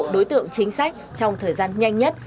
đối tượng chính sách trong thời gian nhanh nhất